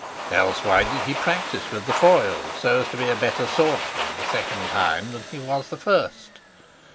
Else why did he practise with the foils so as to be a better swordsman the second time than he was the first?